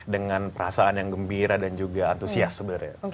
dengan perasaan yang gembira dan juga antusias sebenarnya